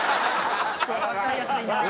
わかりやすいな。